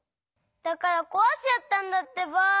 だからこわしちゃったんだってば。